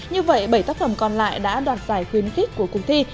như vậy bảy tác phẩm còn lại đã đoạt giải khuyến khích của cuộc thi